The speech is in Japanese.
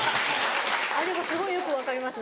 でもすごいよく分かります。